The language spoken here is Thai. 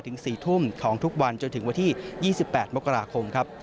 ถึง๔ทุ่มของทุกวันจนถึงวันที่๒๘มกราคมครับ